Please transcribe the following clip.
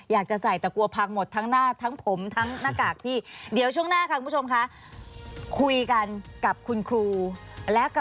อยากจะสายแต่กลัวเพลงหมดทั้งหน้าทั้งผมทั้งหน้ากาก